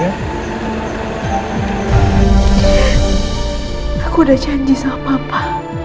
aku udah janji sama papa